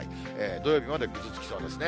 土曜日までぐずつきそうですね。